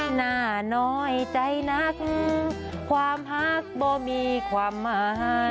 หน้าน้อยใจหนักขวามแหล้วมีความหาย